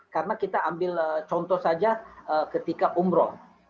karena kita ambil contoh saja ketika umroh